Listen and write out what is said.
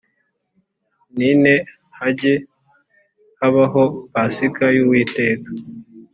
n ine hajye habaho Pasika y Uwiteka